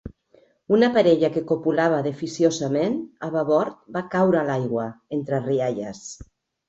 Una parella que copulava desficiosament a babord va caure a l'aigua, entre rialles.